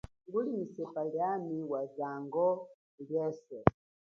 Nguli nyi sepa liami wazango lia yeswe.